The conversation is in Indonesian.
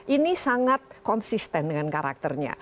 ini sangat konsisten dengan karakternya